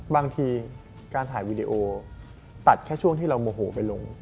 บางทีการถ่ายวีดีโอตัดแค่ช่วงที่เราโมโหไปลง